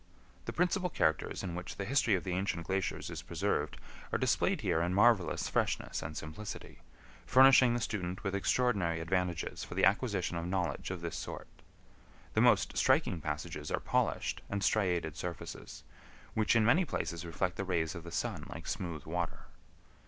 The principal characters in which the history of the ancient glaciers is preserved are displayed here in marvelous freshness and simplicity, furnishing the student with extraordinary advantages for the acquisition of knowledge of this sort. The most striking passages are polished and striated surfaces, which in many places reflect the rays of the sun like smooth water.